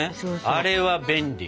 あれは便利。